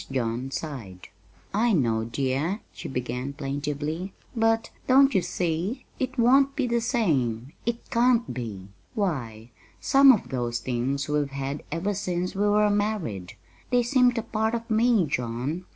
John sighed. "I know, dear," she began plaintively; "but, don't you see? it won't be the same it can't be. Why, some of those things we've had ever since we were married. They seemed a part of me, John.